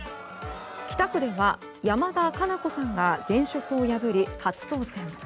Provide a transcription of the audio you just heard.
北区では山田加奈子さんが現職を破り初当選。